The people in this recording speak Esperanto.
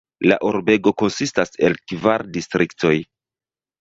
La urbego konsistas el kvar distriktoj.